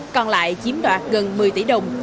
còn lại chiếm đoạt gần một mươi tỷ đồng